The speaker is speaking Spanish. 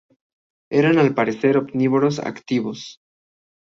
Eran al parecer omnívoros activos.